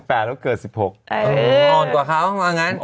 ผมเกิด๑๘มาเกิด๑๖